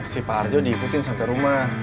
si parjo diikutin sampai rumah